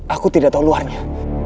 aku tidak tahu luarnya